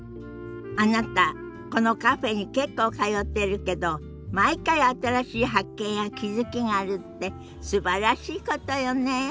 あなたこのカフェに結構通ってるけど毎回新しい発見や気付きがあるってすばらしいことよね。